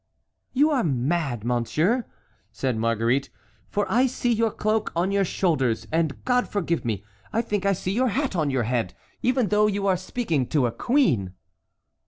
"You are mad, monsieur," said Marguerite, "for I see your cloak on your shoulders, and, God forgive me, I think I see your hat on your head, even though you are speaking to a queen."